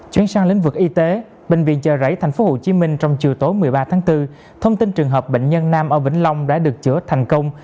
chuyển sang lĩnh vực y tế bệnh viện chợ rẫy tp hcm trong chiều tối một mươi ba tháng bốn thông tin trường hợp bệnh nhân nam ở vĩnh long đã được chữa thành công